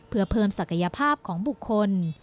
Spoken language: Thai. เพื่อเพิ่มศักยภาพของบุคคล